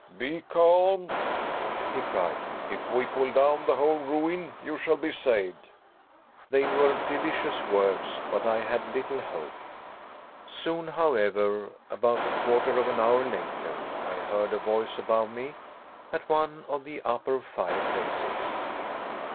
"Be calm," he cried, "if we pull down the whole ruin, you shall be saved." They were delicious words, but I had little hope. Soon however, about a quarter of an hour later I heard a voice above me, at one of the upper fireplaces.